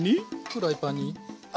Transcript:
フライパンに油！